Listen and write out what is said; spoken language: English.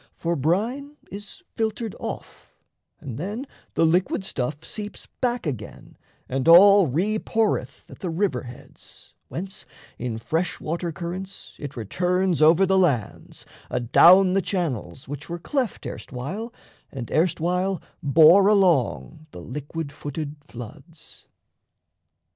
For brine is filtered off, And then the liquid stuff seeps back again And all re poureth at the river heads, Whence in fresh water currents it returns Over the lands, adown the channels which Were cleft erstwhile and erstwhile bore along The liquid footed floods.